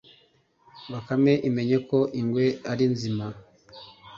Bakame imenya ko ingwe ari nzima